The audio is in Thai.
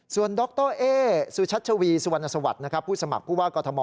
ส่วนดรเอสุชัชวีสุวรรณสวัสดิ์ผู้สมัครผู้ว่ากอทม